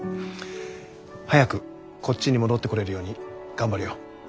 早くこっちに戻ってこれるように頑張るよ。